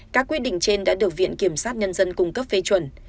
các quyết định trên đã được viện kiểm sát nhân dân cung cấp phê chuẩn